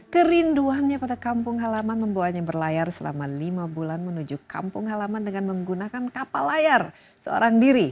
kerinduannya pada kampung halaman membawanya berlayar selama lima bulan menuju kampung halaman dengan menggunakan kapal layar seorang diri